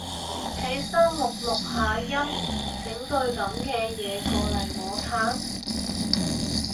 起身錄錄下音整句噉嘅嘢過我嘆